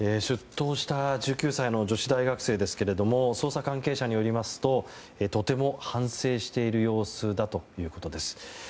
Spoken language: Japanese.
出頭した１９歳の女子大学生ですが捜査関係者によりますととても反省している様子だということです。